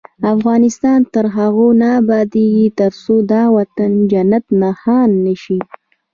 افغانستان تر هغو نه ابادیږي، ترڅو دا وطن جنت نښان نشي.